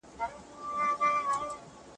¬ د زوم خاوره د خسر له سره اخيسته کېږي.